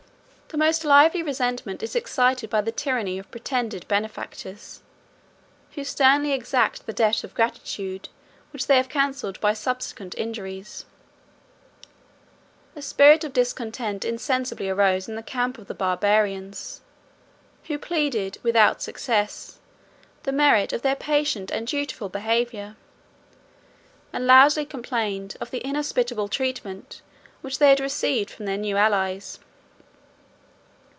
The most lively resentment is excited by the tyranny of pretended benefactors, who sternly exact the debt of gratitude which they have cancelled by subsequent injuries: a spirit of discontent insensibly arose in the camp of the Barbarians, who pleaded, without success, the merit of their patient and dutiful behavior; and loudly complained of the inhospitable treatment which they had received from their new allies.